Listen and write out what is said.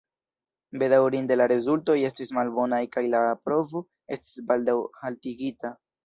Bedaŭrinde la rezultoj estis malbonaj kaj la provo estis baldaŭ haltigita.